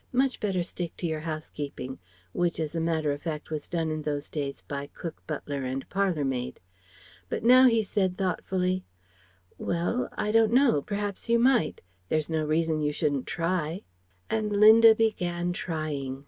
Much better stick to your housekeeping" (which as a matter of fact was done in those days by cook, butler and parlour maid). But now he said, thoughtfully: "Well I don't know perhaps you might. There's no reason you shouldn't try." And Linda began trying.